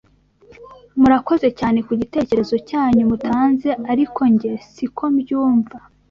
Murakoze cyane ku gitekerezo cyanyu mutanze ariko nge si ko mbyumva